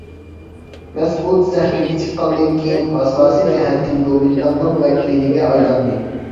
مەسئۇد سەھنىگە چىققاندىن كېيىن، ئاساسىي جەھەتتىن گومىنداڭنىڭ ۋەكىلىگە ئايلاندى.